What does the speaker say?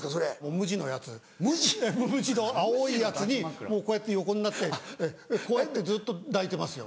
無地のやつ無地の青いやつにこうやって横になってこうやってずっと抱いてますよ。